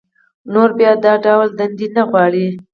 نور بيا دا ډول دندې نه غواړي